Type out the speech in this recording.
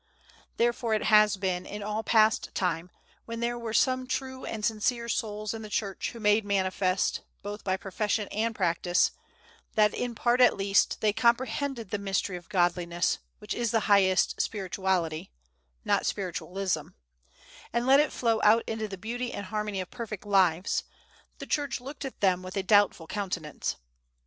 Therefore it has been, in all past time, when there were some true and sincere souls in the Church, who made manifest, both by profession and practice, that in part at least, they comprehended the mystery of Godliness, which is the highest spirituality, not Spiritualism, and let it flow out into the beauty and harmony of perfect lives, the Church looked at them with a doubtful countenance.